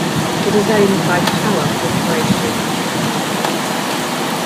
It is owned by Power Corporation of Canada.